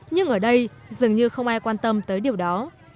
nhưng ở đây dường như không ai quan tâm tới điều đó